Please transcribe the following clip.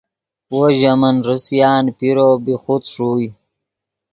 وو ژے من ریسیان پیرو بی خود ݰوئے